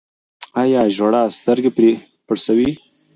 آیا ژړا سترګې پړسوي؟